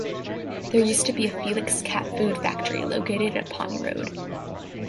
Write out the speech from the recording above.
There used to be a Felix cat food factory located on "Potton Road".